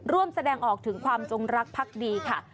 แสดงออกถึงความจงรักพักดีค่ะ